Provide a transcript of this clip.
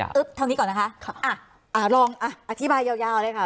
เท่านี้ก่อนนะคะลองอธิบายยาวเลยค่ะ